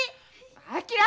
昭！